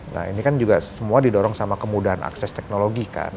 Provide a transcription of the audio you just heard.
nah ini kan juga semua didorong sama kemudahan akses teknologi kan